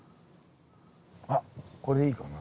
あっこれいいかもな。